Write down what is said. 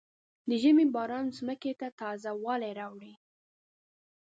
د ژمي باران ځمکې ته تازه والی راوړي.